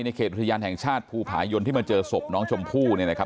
เขตอุทยานแห่งชาติภูผายนที่มาเจอศพน้องชมพู่เนี่ยนะครับ